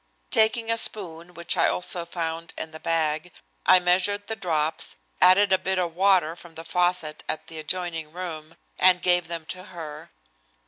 Taking a spoon which I also found in the bag, I measured the drops, added a bit of water from the faucet in the adjoining room, and gave them to her.